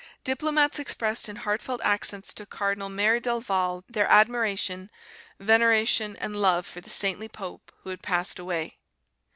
Diplomats expressed in heartfelt accents to Cardinal Merry del Val their admiration, veneration and love for the saintly pope who had passed away.